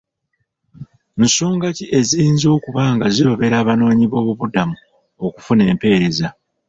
Nsonga ki eziyinza okuba nga zirobera abanoonyi b'obubudamu okufuna empeereza.